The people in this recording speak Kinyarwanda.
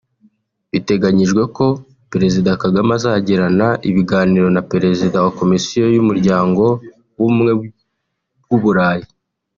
Biteganyijwe ko Perezida Kagame azagirana ibiganiro na Perezida wa Komisiyo y’Umuryango w’Ubumwe bw’u Burayi